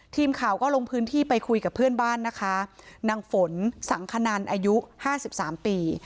ทีมข่าวก็ลงพื้นที่ไปคุยกับเพื่อนบ้านนะคะนางฝนสังขนันอายุห้าสิบสามปี